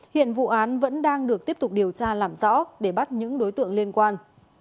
hiện vụ án vẫn đang được tiếp tục điều tra làm rõ để bắt những đối tượng liên quan